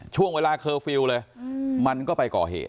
ช่วงเวลาเคอร์ฟิลล์เลยมันก็ไปก่อเหตุ